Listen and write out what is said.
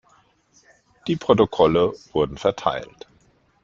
Die Protokolle wurden verteilt.